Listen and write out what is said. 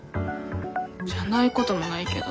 じゃないこともないけど。